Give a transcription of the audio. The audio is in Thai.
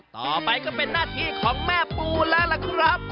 ต่อไปก็เป็นหน้าที่ของแม่ปูแล้วล่ะครับ